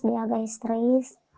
dia agak histeris